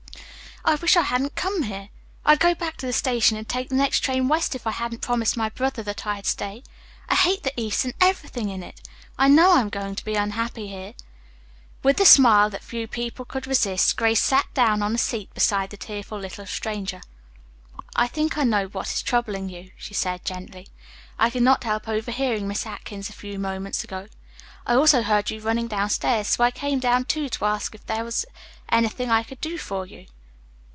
"I wish I hadn't come here. I'd go back to the station and take the next train west, if I hadn't promised my brother that I'd stay. I hate the east and everything in it. I know I'm going to be unhappy here." With the smile that few people could resist, Grace sat down on the seat beside the tearful little stranger. "I think I know what is troubling you," she said gently. "I could not help overhearing Miss Atkins a few moments ago. I also heard you running downstairs, so I came down, too, to ask you if there was anything I could do for you."